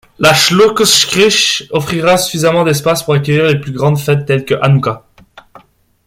La Schlosskirche offrira suffisamment d'espace pour accueillir les plus grandes fêtes telles que Hanoucca.